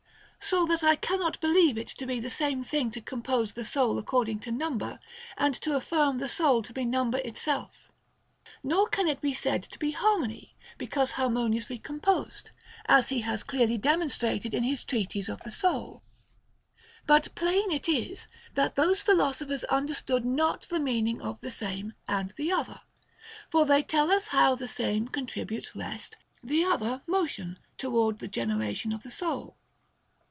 So that I cannot believe it to be the same thing to compose the soul according to number, and to af firm the soul to be number itself. Nor can it be said to be harmony because harmoniously composed, as he has clearly demonstrated in his Treatise of the Soul. But plain it is, that those philosophers understood not the meaning of the Same and the Other. For they tell us how the Same con tributes rest, the Other motion toward the generation of the soul.